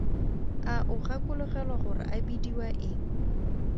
A o gakologelwa gore a bidiwa eng?